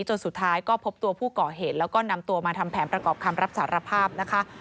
จนสุดท้ายก็พบตัวผู้ก่อเหตุแล้วก็นำตัวมาทำแผนประกอบคำรับสารภาพนะคะ